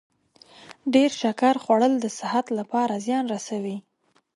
ډیر شکر خوړل د صحت لپاره زیان رسوي.